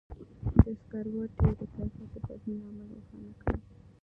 د سکروټي د کیفیت د بدلون لامل روښانه کړئ.